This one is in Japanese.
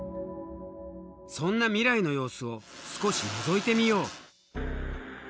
そんな未来の様子を少しのぞいてみよう。